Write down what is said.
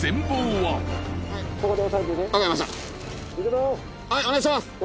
はいお願いします。